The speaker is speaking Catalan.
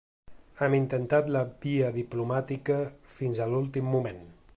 Hem intentat la via diplomàtica fins a l’últim moment.